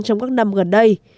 trong các năm gần đây